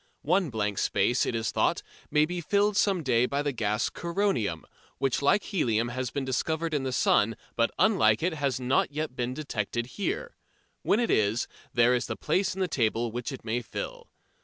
One blank space, it is thought, may be filled some day by the gas coronium, which like helium has been discovered in the sun, but unlike it has not yet been detected here. When it is, there is the place in the table which it may fill.